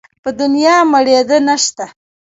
په دونيا مړېده نه شته.